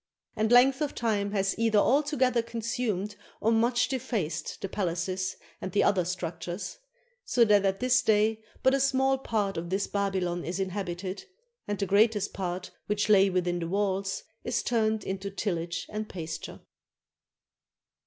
And length of time has either altogether consumed or much defaced the palaces and the other structures; so that at this day but a small part of this Babylon is inhabited, and the greatest part which lay within the walls is turned into tillage and pasture.